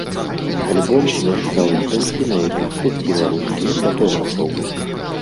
Альбом змяшчаў здымкі найлепшых беларускіх фатографаў.